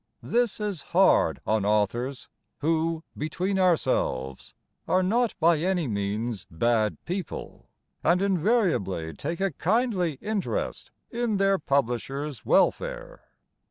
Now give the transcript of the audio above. This is hard on authors, Who, between ourselves, Are not by any means bad people, And invariably take a kindly interest In their publishers' welfare.